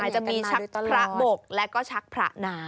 จะมีชักพระบกและก็ชักพระนะ